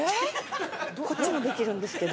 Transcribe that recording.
こっちもできるんですけど。